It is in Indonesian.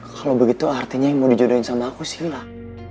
kalau begitu artinya yang mau dijodohin sama aku silah